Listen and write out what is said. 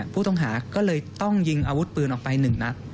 ผู้ต้องหาก็เลยต้องยิงอาวุธปืนออกไป๑นัด